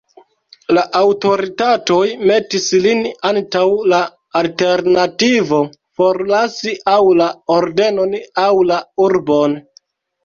La aŭtoritatoj metis lin antaŭ la alternativo forlasi aŭ la ordenon aŭ la urbon.